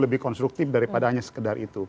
lebih konstruktif daripada hanya sekedar itu